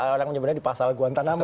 orang menyebutnya di pasal guantanama